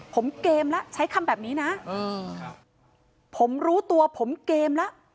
ผมเกมแล้วใช้คำแบบนี้นะผมรู้ตัวผมเกมแล้ว